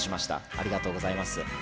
ありがとうございます。